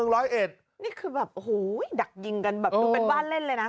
นี่คือแบบโอ้โหดักยิงกันแบบดูเป็นบ้านเล่นเลยนะ